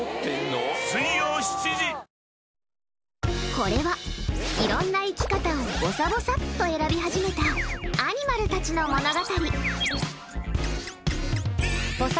これは、いろんな生き方をぼさぼさっと選び始めたアニマルたちの物語。